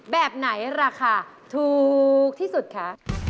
แบบไหนราคาถูกที่สุดคะ